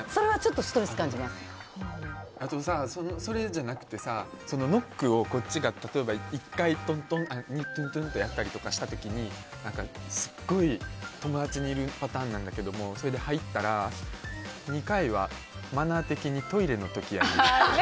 あとさ、それじゃなくてさノックをこっちが１回、トントンってやったりした時とかにすごい友達にいるパターンなんだけど２回はマナー的にトイレの時やでって。